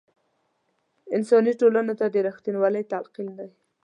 انساني ټولنو ته د رښتینوالۍ تلقین دی.